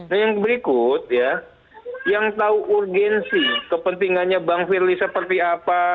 nah yang berikut ya yang tahu urgensi kepentingannya bang firly seperti apa